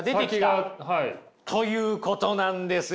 ということなんですよ。